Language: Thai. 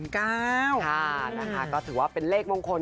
ค่ะนะคะก็ถือว่าเป็นเลขมงคล